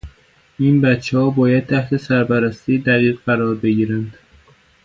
این بچهها باید تحت سرپرستی دقیق قرار بگیرند.